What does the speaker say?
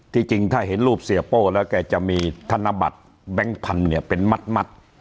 จริงถ้าเห็นรูปเสียโป้แล้วแกจะมีธนบัตรแบงค์พันธุ์เนี่ยเป็นมัด